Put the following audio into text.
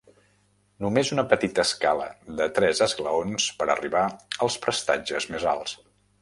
Només una petita escala de tres esglaons per arribar als prestatges més alts.